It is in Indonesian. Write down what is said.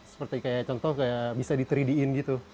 seperti kayak contoh kayak bisa di tiga d in gitu